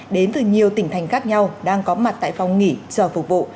đến từ nhiều tỉnh thành khác nhau đang có mặt tại phòng nghỉ chờ phục vụ